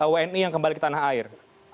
wni yang kembali ke tanah air